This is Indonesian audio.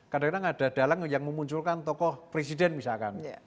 kadang kadang ada dalang yang memunculkan tokoh presiden misalkan